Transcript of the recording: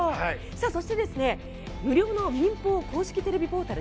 そして、無料の民放公式テレビポータル